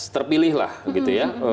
terpilih lah gitu ya